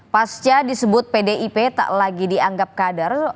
pasca disebut pdip tak lagi dianggap kader